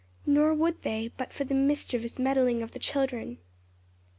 Nor would they but for the mischievous meddling of the children.